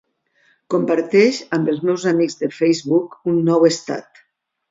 Comparteix amb els meus amics de Facebook un nou estat.